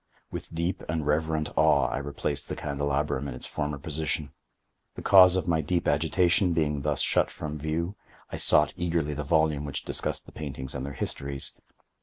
With deep and reverent awe I replaced the candelabrum in its former position. The cause of my deep agitation being thus shut from view, I sought eagerly the volume which discussed the paintings and their histories.